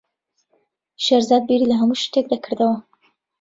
شێرزاد بیری لە هەموو شتێک دەکردەوە.